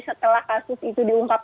setelah kasus itu diungkap